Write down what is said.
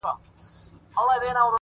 ریښتینی عزت په کردار ترلاسه کېږي.